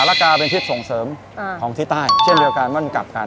ละกาเป็นทิศส่งเสริมของที่ใต้เช่นเดียวกันมันกลับกัน